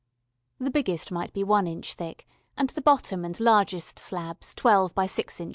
The biggest might be 1 in. thick and the bottom and largest slabs 12 by 6 in.